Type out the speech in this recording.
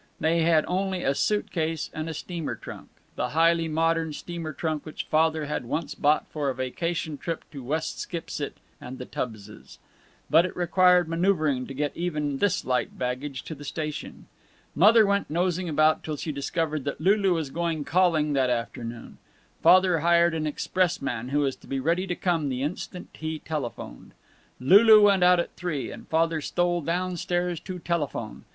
They had only a suit case and a steamer trunk, the highly modern steamer trunk which Father had once bought for a vacation trip to West Skipsit and the Tubbses. But it required manoeuvering to get even this light baggage to the station. Mother went nosing about till she discovered that Lulu was going calling that afternoon. Father hired an expressman, who was to be ready to come the instant he telephoned. Lulu went out at three, and Father stole down stairs to telephone.